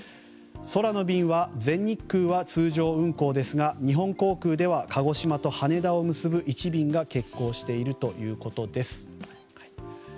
空の便は全日空は通常運航ですが日本航空では鹿児島と羽田を結ぶ１便が欠航しているということです。